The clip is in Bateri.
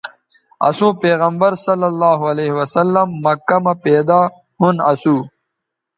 اَسوں پیغمبرؐ مکہ مہ پیدا ھُون اَسو